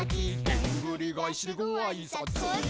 「デンぐりがえしでごあいさつー」